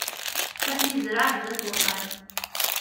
Ad ten-izreε zdat uxxam.